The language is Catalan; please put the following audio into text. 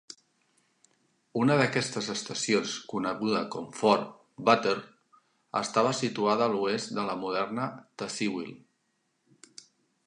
Una d'aquestes estacions, coneguda com Fort Butler, estava situada a l'oest de la moderna Tazewell.